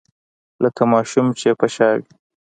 لکه ماشوم چې يې په شا وي.